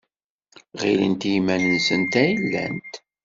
Ɣilent i yiman-nsent ay llant.